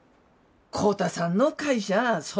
浩太さんの会社そ